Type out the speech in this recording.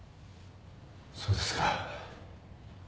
そうですか。